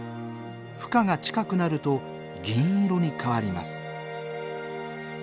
ふ化が近くなると銀色に変わります。